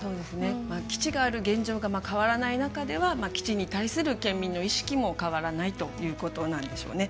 基地がある現状が変わらない中では基地に対する県民の意識も変わらないということなんでしょうね。